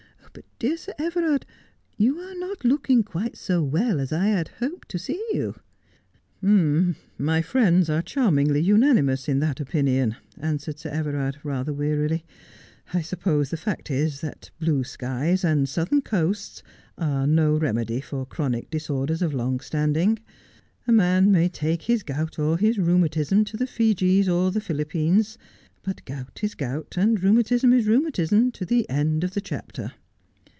But, dear Sir Everard, you are not looking quite so well as I had hoped to see you ' An Earnest Man. 225 ' My friends are chaiTtiingly unanimous in that opinion,' an swered Sir Everard, rather wearily. ' I suppose the fact is that blue skies and southern coasts are no remedy for chronic disorders of long standing. A man may take his gout or his rheumatism to the Fijis or the Philippines : but gout is gout and rheumatism is rheumatism to the end of the chapter.'